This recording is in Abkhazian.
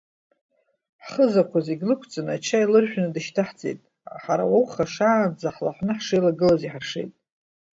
Ҳхызақәа зегьы лықәҵаны, ачаи лыржәны дышьҭаҳҵеит, ҳара ауха шаанӡа ҳлаҳәны ҳшеилагыпаз иҳаршеит.